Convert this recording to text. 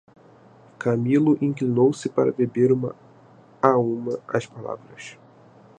Camilo inclinou-se para beber uma a uma as palavras.